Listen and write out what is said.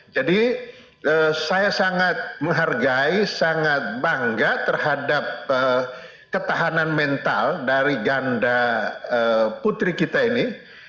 jadi saya sangat menghargai sangat bangga terhadap ketahanan mental dari ganda putri kita ini